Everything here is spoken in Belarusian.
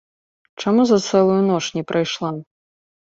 Чаму за цэлую ноч не прыйшла?